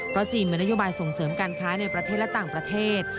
เพราะจีนมีนโยบายส่งเสริมการค้าในประเทศและต่างประเทศ